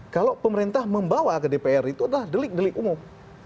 kalau pemerintah membawa ke dpr itu adalah delik delik umum